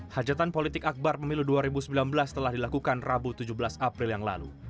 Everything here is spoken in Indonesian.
hajatan politik akbar pemilu dua ribu sembilan belas telah dilakukan rabu tujuh belas april yang lalu